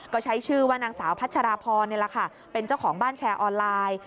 ก็ใช้ชื่อว่านางสาวพัชรพรเป็นเจ้าของบ้านแชร์ออนไลน์